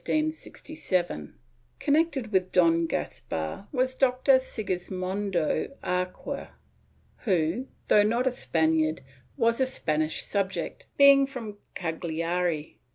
^ Connected with Don Caspar was Doctor Sigismondo Arquer who, though not a Spaniard, was a Spanish subject, being from Caghari.